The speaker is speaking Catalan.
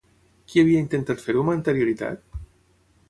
Qui havia intentat fer-ho amb anterioritat?